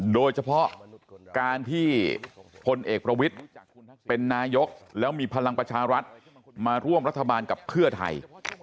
โดยเฉพาะการที่พลเอกประวิทย์เป็นนายกแล้วมีพลังประชารัฐมาร่วมรัฐบาลกับเพื่อไทย